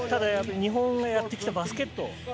日本がやってきたバスケット。